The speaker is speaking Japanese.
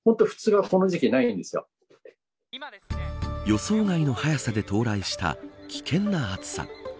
予想外の早さで到来した危険な暑さ。